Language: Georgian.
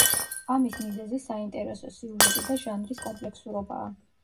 ამის მიზეზი საინტერესო სიუჟეტი და ჟანრის კომპლექსურობაა.